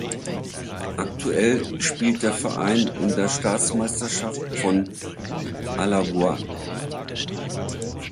Aktuell spielt der Verein in der Staatsmeisterschaft von Alagoas.